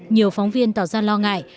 nhiều phóng viên tỏ ra lo ngại